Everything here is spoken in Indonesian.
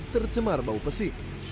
tercemar bau pesik